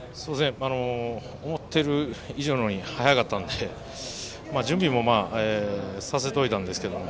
思ってる以上に早かったので準備もさせといたんですけど。